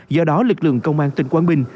do đó lực lượng công an tỉnh quang bình